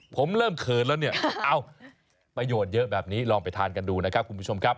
ผมเริ่มเขินแล้วเนี่ยเอ้าประโยชน์เยอะแบบนี้ลองไปทานกันดูนะครับคุณผู้ชมครับ